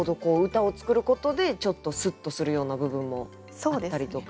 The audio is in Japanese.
歌を作ることでちょっとスッとするような部分もあったりとか。